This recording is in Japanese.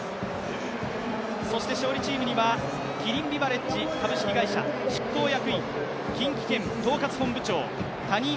そして勝利チームにはキリンビバレッジ株式会社執行役員、近畿圏統括本部長谷井